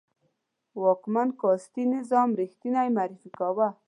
واکمنو کاسټي نظام ریښتنی معرفي کاوه.